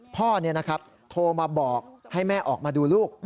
พ่อโทรมาบอกให้แม่ออกมาดูลูก